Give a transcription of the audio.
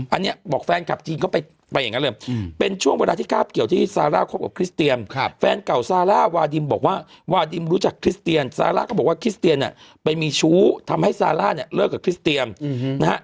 อันนี้บอกแฟนคลับจีนก็ไปอย่างนั้นเลยเป็นช่วงเวลาที่คาบเกี่ยวที่ซาร่าคบกับคริสเตียมแฟนเก่าซาร่าวาดิมบอกว่าวาดิมรู้จักคริสเตียนซาร่าก็บอกว่าคริสเตียนเนี่ยไปมีชู้ทำให้ซาร่าเนี่ยเลิกกับคริสเตียมนะฮะ